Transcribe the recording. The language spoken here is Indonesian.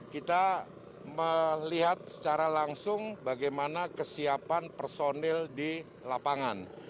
kita melihat secara langsung bagaimana kesiapan personil di lapangan